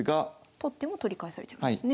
取っても取り返されちゃいますね。